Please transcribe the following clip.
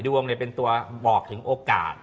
ดวงเป็นตัวบอกถึงโอกาส